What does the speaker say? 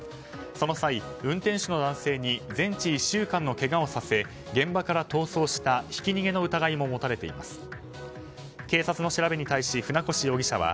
その際、運転手の男性に全治１週間のけがをさせ現場から逃走したひき逃げの疑いも持たれています。